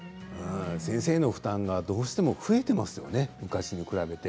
先生の負担がどうしても増えていますよね、昔に比べて。